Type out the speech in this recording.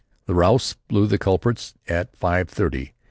The Raus blew for the culprits at five thirty.